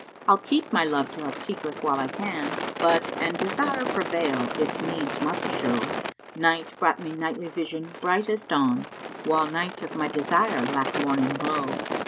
I'll keep my love tale secret while I can * But, an desire prevail, its needs must show: Night brought me nightly vision, bright as dawn; * While nights of my desire lack morning glow.